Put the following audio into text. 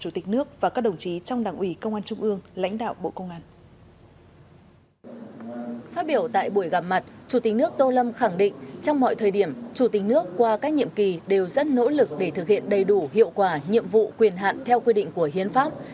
trong mọi thời điểm chủ tịch nước qua các nhiệm kỳ đều dẫn nỗ lực để thực hiện đầy đủ hiệu quả nhiệm vụ quyền hạn theo quy định của hiến pháp